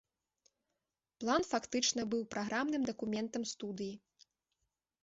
План фактычна быў праграмным дакументам студыі.